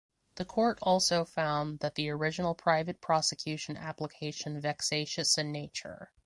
The court also found that the original private prosecution application vexatious in nature.